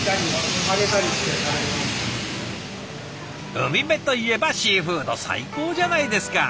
海辺といえばシーフード最高じゃないですか！